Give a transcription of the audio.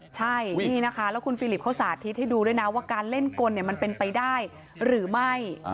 ใช่นี่นะคะแล้วคุณฟิลิปเขาสาธิตให้ดูด้วยนะว่าการเล่นกลมันเป็นไปได้หรือไม่